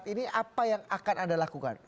ini apa yang akan anda lakukan